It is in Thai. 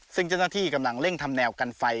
ซึ่งเจ้าหน้าที่กำลังเร่งทำแนวกันไฟ